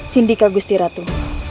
sindika gusti ratu